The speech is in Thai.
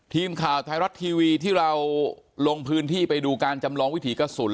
ทีมข่าวไทยรัฐทีวีที่เราลงพื้นที่ไปดูการจำลองวิถีกระสุน